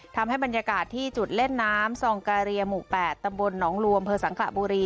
ทำให้บรรยากาศที่จุดเล่นน้ำซองกาเรียหมู่๘ตำบลหนองรวมเภสังขระบุรี